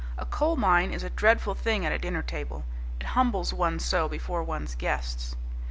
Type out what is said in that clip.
A coal mine is a dreadful thing at a dinner table. It humbles one so before one's guests.